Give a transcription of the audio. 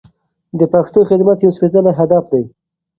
د پښتو خدمت یو سپېڅلی هدف دی.